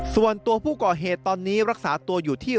ส่วนตัวผู้ก่อเหตุตอนนี้รักษาตัวอยู่ที่